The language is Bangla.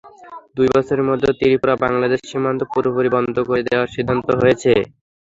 দুই বছরের মধ্যে ত্রিপুরা-বাংলাদেশ সীমান্ত পুরোপুরি বন্ধ করে দেওয়ার সিদ্ধান্ত হয়েছে।